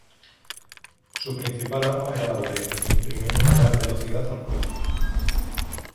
Su principal arma era la volea, imprimiendo una gran velocidad al juego.